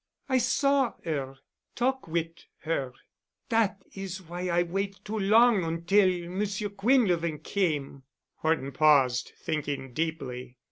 "I saw 'er—talk wit' 'er. Dat is why I wait too long ontil Monsieur Quinlevin came." Horton paused, thinking deeply.